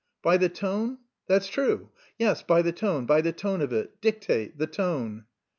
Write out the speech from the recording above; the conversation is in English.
"By the tone? That's true. Yes, by the tone, by the tone of it. Dictate, the tone."